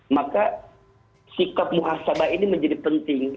maka sikap muhasabah ini menjadi penting